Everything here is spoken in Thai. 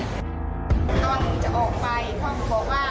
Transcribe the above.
พ่อหนูจะออกไปพ่อหนูบอกว่า